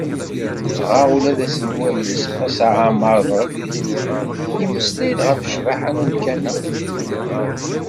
Dɣa ula d aselway-is Mass Ɛemmar Rabḥi, yemmeslay-d ɣef ccbaḥa n umkan-a.